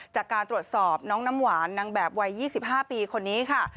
จากการตรวจสอบน้องน้ำหวานนางแบบวัย๒๕ปีคนนี้ค่ะ